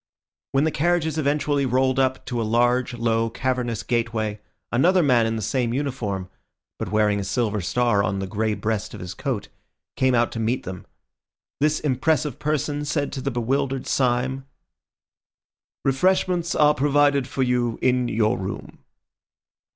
When the carriages eventually rolled up to a large, low, cavernous gateway, another man in the same uniform, but wearing a silver star on the grey breast of his coat, came out to meet them. This impressive person said to the bewildered Syme— "Refreshments are provided for you in your room."